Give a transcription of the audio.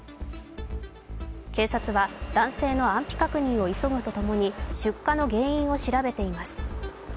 警察は男性の安否確認を急ぐとともに出火の原因を調べています。